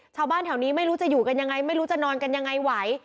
ชาวบ้านแถวนี้ไม่รู้จะอยู่กันยังไงไม่รู้จะนอนกันยังไงไหว